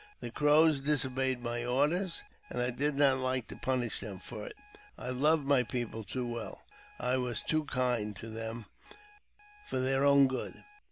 The Crowj disobeyed my orders, and I did not like to punish them for ife I loved my people too well ; I was too kind to them for theii own good.